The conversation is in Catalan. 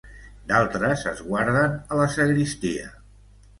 D'altres es guarden a la sagristia.